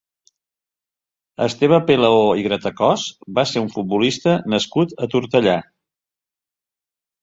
Esteve Pelaó i Gratacós va ser un futbolista nascut a Tortellà.